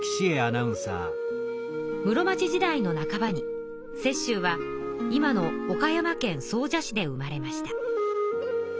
室町時代の半ばに雪舟は今の岡山県総社市で生まれました。